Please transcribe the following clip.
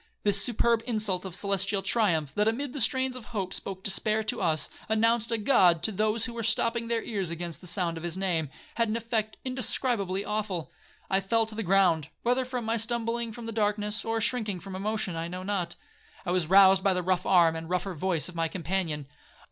This superb insult of celestial triumph, that amid the strains of hope spoke despair to us, announced a God to those who were stopping their ears against the sound of his name, had an effect indescribably awful. I fell to the ground, whether from stumbling from the darkness, or shrinking from emotion, I know not. I was roused by the rough arm, and rougher voice of my companion.